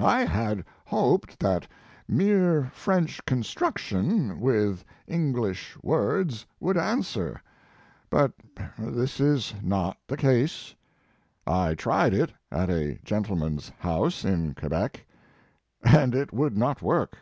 I had hoped that mere French construction, with English words, would answer; but this is not the case. I tried it at a gentleman s house in Quebec, and it would not work.